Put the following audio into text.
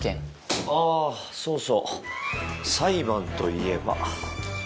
あそうそう裁判といえば。